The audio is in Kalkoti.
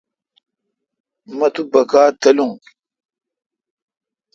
مہ تو بکا تلون۔